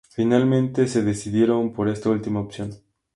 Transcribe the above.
Finalmente se decidieron por esta última opción.